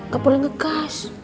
gak boleh ngekas